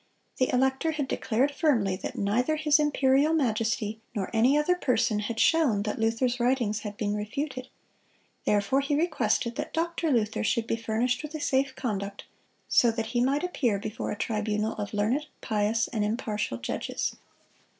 The elector had declared firmly that "neither his imperial majesty nor any other person had shown that Luther's writings had been refuted;" therefore he requested "that Doctor Luther should be furnished with a safe conduct, so that he might appear before a tribunal of learned, pious, and impartial judges."